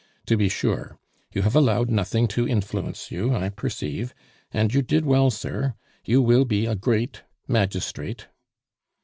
"To be sure. You have allowed nothing to influence you, I perceive. And you did well, sir; you will be a great magistrate."